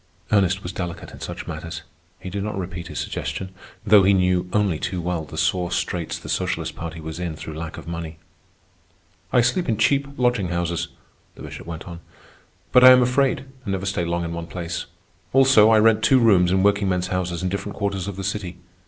Ernest was delicate in such matters. He did not repeat his suggestion, though he knew only too well the sore straits the Socialist Party was in through lack of money. "I sleep in cheap lodging houses," the Bishop went on. "But I am afraid, and never stay long in one place. Also, I rent two rooms in workingmen's houses in different quarters of the city.